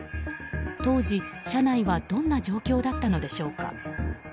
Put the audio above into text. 当時、車内はどんな状況だったのでしょうか。